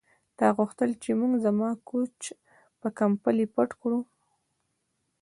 تا غوښتل چې موږ زما کوچ په کمپلې پټ کړو